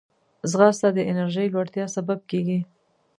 ځغاسته د انرژۍ لوړتیا سبب کېږي